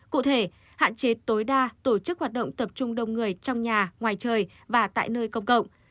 cụ thể hạn chế tối đa tổ chức hoạt động tập trung đông người trong nhà ngoài trời và tại nơi công cộng